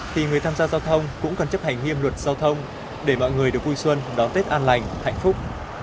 thì người tham gia giao thông cũng cần chấp hành nghiêm luật giao thông để mọi người được vui xuân đón tết an lành hạnh phúc